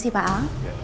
permisi pak al